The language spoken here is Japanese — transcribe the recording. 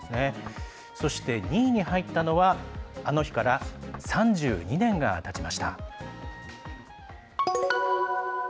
そして、２位に入ったのはあの日から３２年がたちました。